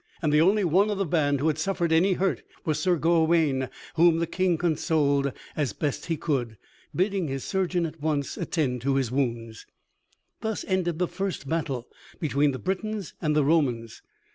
And the only one of the band who had suffered any hurt was Sir Gawaine, whom the king consoled as best he could, bidding his surgeon at once attend to his wounds. Thus ended the first battle between the Britons and the Romans.